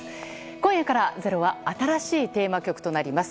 今夜から「ｚｅｒｏ」は新しいテーマ曲になります。